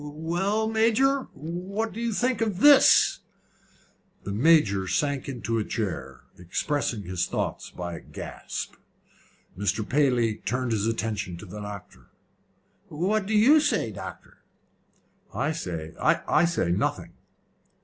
"Well, Major, what do you think of this?" The Major sank into a chair, expressing his thoughts by a gasp. Mr. Paley turned his attention to the doctor. "What do you say, doctor?" "I say? I say nothing."